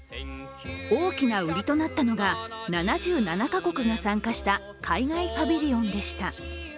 大きなウリとなったのが７７か国が参加した海外パビリオンでした。